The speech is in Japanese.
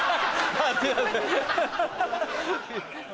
あぁすいません。